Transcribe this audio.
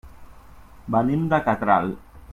Venim de Catral.